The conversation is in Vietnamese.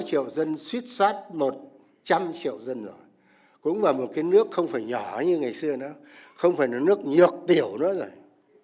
chín mươi sáu triệu dân suýt soát một trăm linh triệu dân rồi cũng là một cái nước không phải nhỏ như ngày xưa nữa không phải là nước nhược tiểu nữa rồi